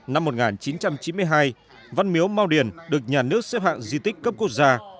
năm một nghìn chín trăm chín mươi hai văn miếu mau điền được nhà nước xếp hạng di tích cấp quốc gia